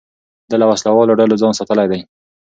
ده له وسلهوالو ډلو ځان ساتلی دی.